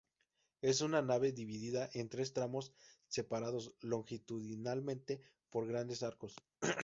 Es una nave dividida en tres tramos se parados longitudinalmente por grandes arcos.